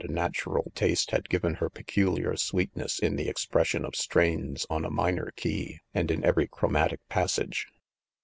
a natural taste had given, her pe culiar sweetness in the expression of strains on a minor key, and in every chromatic pas sage.